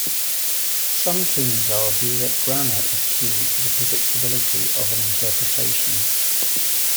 Some teams argue that grammar is key to the predictability of an interpretation.